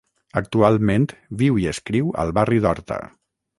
Actualment, viu i escriu al barri d'Horta.